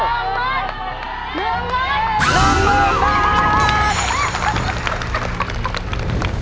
๑หมด